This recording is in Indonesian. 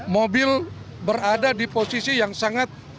mobil berada di posisi yang sangat